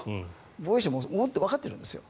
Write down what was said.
防衛省もわかってるんですよ。